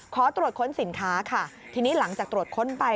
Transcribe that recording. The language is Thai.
ขอตรวจค้นสินค้าค่ะทีนี้หลังจากตรวจค้นไป